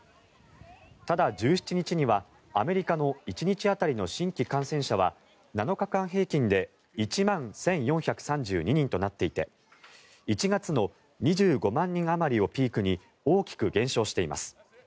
ただ、１７日には、アメリカの１日当たりの新規感染者は７日間平均で１万１４３２人となっていて１月の２５万人あまりをピークに大きく減少しています。